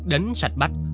đến sạch bách